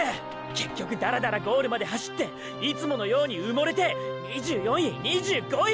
結局ダラダラゴールまで走っていつものように埋もれて２４位２５位！！